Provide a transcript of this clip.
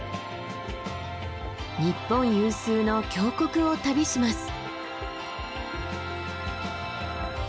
日本有数の峡谷を旅します。